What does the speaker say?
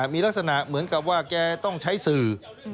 มีลักษณะเหมือนกับว่าแกต้องใช้สื่อ